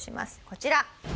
こちら。